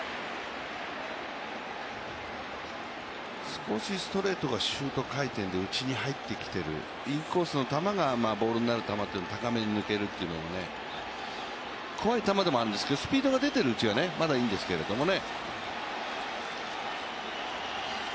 少しストレートがシュート回転で内に入ってきているインコースの球がボールのなる球というのは高めに抜けているので怖い球でもあるんですけど、スピートが出ているうちはまだいいんですけどね。